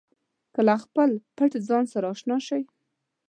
که له خپل پټ ځان سره اشنا شئ.